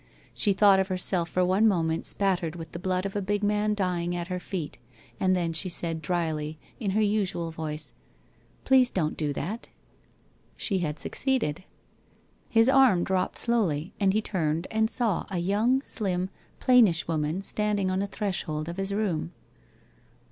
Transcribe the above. She thought of herself for one moment spattered with the blood of a big man dying at her feet, and then she said drily, in her usual voice :' Please don't do that !' She had succeeded. His arm dropped slowly and he turned and saw a young, slim, plainish woman standing on the threshold of his room.